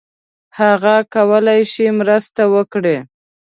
هغه کولای شي مرسته وکړي.